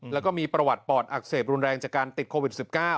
แล้วก็มีประวัติปอดอักเสบรุนแรงจากการติดโควิด๑๙